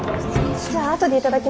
じゃあ後で頂きますね。